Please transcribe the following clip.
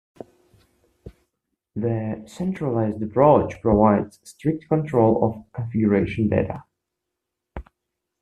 The centralized approach provides strict control of configuration data.